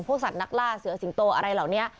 สัตว์นักล่าเสือสิงโตอะไรเหล่านี้